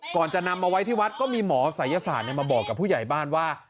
ก่อนจะนำมาไว้ที่วัดก็มีหมอศัยศาสตร์มาบอกกับผู้ใหญ่บ้านว่า